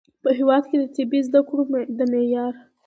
په هیواد کې د طبي زده کړو د معیار